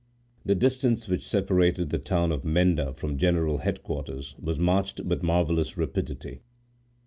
The distance which separated the town of Menda from general headquarters, was marched with marvellous rapidity.